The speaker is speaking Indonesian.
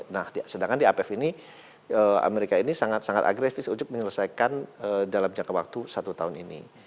nah sedangkan di ipf ini amerika ini sangat sangat agresif untuk menyelesaikan dalam jangka waktu satu tahun ini